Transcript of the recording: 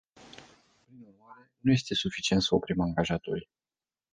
Prin urmare, nu este suficient să oprim angajatorii.